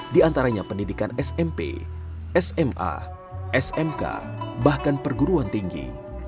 diantaranya pendidikan smp sma smk bahkan perguruan tinggi